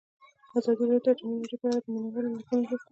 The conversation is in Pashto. ازادي راډیو د اټومي انرژي په اړه د مینه والو لیکونه لوستي.